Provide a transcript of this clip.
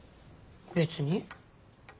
別に。